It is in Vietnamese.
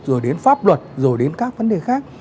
rồi đến pháp luật rồi đến các vấn đề khác